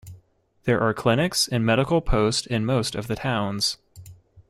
There are clinics and medical post in most of the towns.